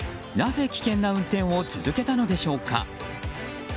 なぜ、危険な運転を続けたのでしょうか。